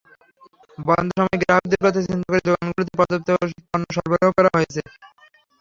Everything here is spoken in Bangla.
বন্ধের সময় গ্রাহকদের কথা চিন্তা করে দোকানগুলোতে পর্যাপ্ত পণ্য সরবরাহ করা হয়েছে।